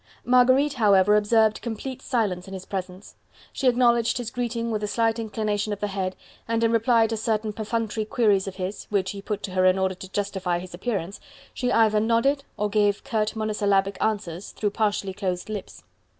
Marguerite, however, observed complete silence in his presence: she acknowledged his greeting with a slight inclination of the head, and in reply to certain perfunctory queries of his which he put to her in order to justify his appearance she either nodded or gave curt monosyllabic answers through partially closed lips.